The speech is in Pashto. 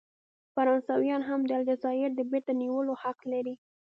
فرانسویان هم د الجزایر د بیرته نیولو حق لري.